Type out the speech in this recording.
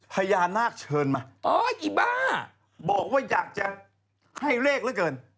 พญานาคเชิญมาอ๋ออีบ้าบอกว่าอยากจะให้เลขเหลือเกิน